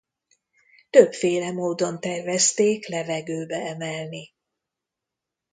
Többféle módon tervezték levegőbe emelni.